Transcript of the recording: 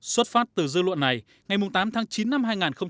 xuất phát từ dư luận này ngày tám tháng chín năm hai nghìn một mươi chín